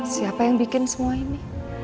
siapa yang bikin semua ini